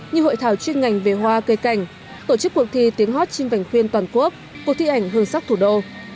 như hội thảo chuyên ngành về hoa cây cảnh tổ chức cuộc thi tiếng hát chim vành khuyên toàn quốc cuộc thi ảnh hương sắc thủ đô